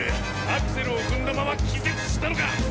アクセルを踏んだまま気絶したのか！